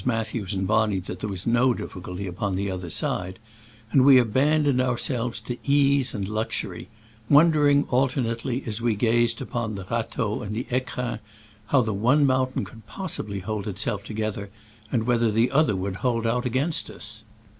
Mathews and Bonney that there was no difficulty upon the other side), and we abandoned our selves to ease and luxury; wondering alternately, as we gazed upon the Rateau and the £crins, how the one mountain could possibly hold itself together, and whether the other would hold out against us.